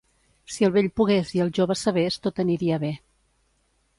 Si el vell pogués i el jove sabés, tot aniria bé.